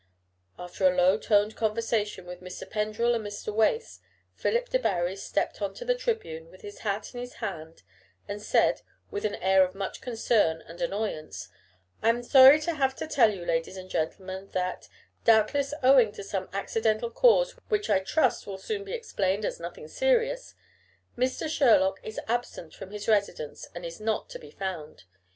After a low toned conversation with Mr. Pendrell and Mr. Wace, Philip Debarry stepped on to the tribune with his hat in his hand and said, with an air of much concern and annoyance "I am sorry to have to tell you, ladies and gentlemen, that doubtless owing to some accidental cause which I trust will soon be explained as nothing serious Mr. Sherlock is absent from his residence and is not to be found.